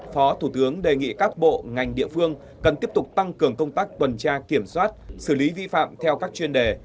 phó thủ tướng đề nghị các bộ ngành địa phương cần tiếp tục tăng cường công tác tuần tra kiểm soát xử lý vi phạm theo các chuyên đề